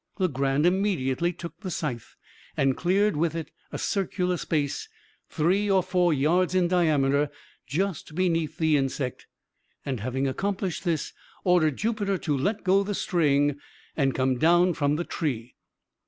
Legrand immediately took the scythe, and cleared with it a circular space, three or four yards in diameter, just beneath the insect, and having accomplished this, ordered Jupiter to let go the string and come down from the tree.